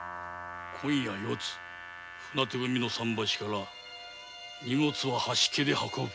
今夜四つ船手組の桟橋から荷物を艀で運ぶ。